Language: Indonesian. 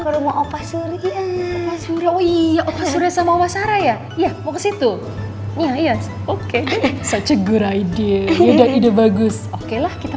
rumah opah surya surya iya sama masyarakat ya iya mau ke situ ya iya oke oke lah kita